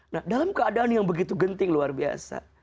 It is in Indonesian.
nah dalam keadaan yang begitu genting luar biasa